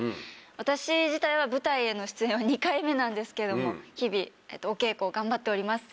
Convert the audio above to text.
私自体は舞台への出演は２回目なんですけども日々お稽古を頑張っております。